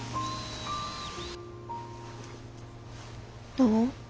どう？